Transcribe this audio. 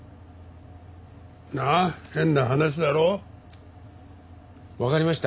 なっ変な話だろ？わかりました。